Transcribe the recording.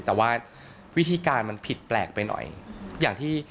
แต่ว่าวิธีการมันผิดแปลกไปหน่อย